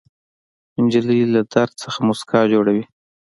نجلۍ له درد نه موسکا جوړوي.